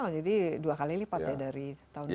jadi dua kali lipat ya dari tahun dua ribu dua puluh satu